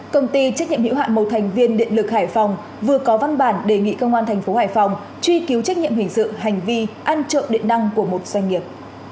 công ty trách nhiệm hữu hạn một thành viên điện lực hải phòng vừa có văn bản đề nghị công an thành phố hải phòng truy cứu trách nhiệm hình sự hành vi ăn trợ điện năng của một doanh nghiệp